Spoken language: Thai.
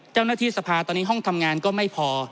เจ้าหน้าที่สภาตอนนี้ห้องทำงานก็ไม่พอ